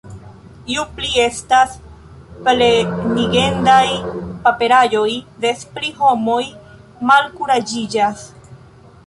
Ju pli estas plenigendaj paperaĵoj, des pli homoj malkuraĝiĝas.